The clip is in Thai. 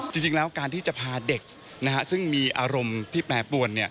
จริงแล้วการที่จะพาเด็กซึ่งมีอารมณ์ที่แปรปวน